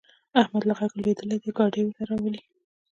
احمد له غږه لوېدلی دی؛ ګاډی ورته راولي.